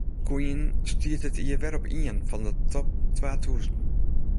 Queen stiet dit jier wer op ien fan de top twa tûzen.